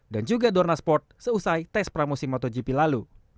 dan juga dornasport seusai tes pramusim motogp lalu